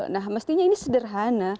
nah mestinya ini sederhana